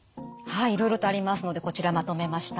はいいろいろとありますのでこちらまとめました。